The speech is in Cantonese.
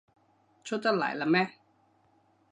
出得嚟喇咩？